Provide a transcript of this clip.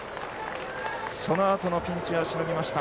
そのあとのピンチはしのぎました。